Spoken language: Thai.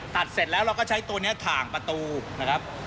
เสร็จแล้วเราก็ใช้ตัวนี้ถ่างประตูนะครับ